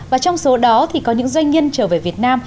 và trong số đó thì có những doanh nhân trở về việt nam